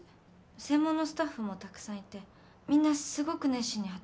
専門のスタッフもたくさんいてみんなすごく熱心に働いてました。